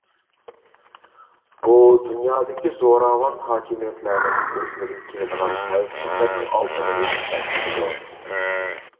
بۇ دۇنيادىكى زوراۋان ھاكىمىيەتلەرنىڭ ئۆزلىرىگە كېلىدىغان خەۋپ-خەتەرنىڭ ئالدىنى ئېلىش ھەرىكىتىدۇر.